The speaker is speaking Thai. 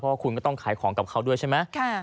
เพราะว่าคุณก็ต้องขายของกับเขาด้วยใช่ไหม